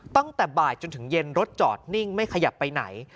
ตั้งแต่บ่ายจนถึงเย็นรถจอดนิ่งไม่ขยับไปไหน